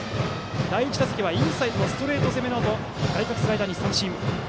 第１打席はインサイドのストレート攻めなどで外角スライダーに三振。